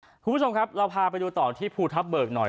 คุณผู้ชมครับเราพาไปดูต่อที่ภูทับเบิกหน่อย